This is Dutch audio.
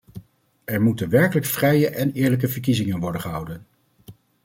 Er moeten werkelijk vrije en eerlijke verkiezingen worden gehouden.